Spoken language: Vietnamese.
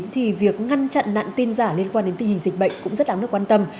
thì việc ngăn chặn nạn tin giả liên quan đến tình hình dịch bệnh cũng rất đáng được quan tâm